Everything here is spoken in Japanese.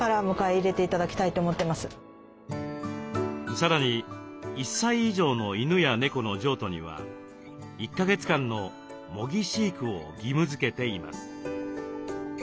さらに１歳以上の犬や猫の譲渡には１か月間の「模擬飼育」を義務づけています。